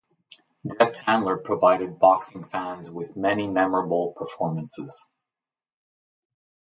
Jeff Chandler provided boxing fans with many memorable performances.